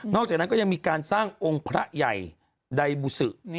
จากนั้นก็ยังมีการสร้างองค์พระใหญ่ใดบุษือ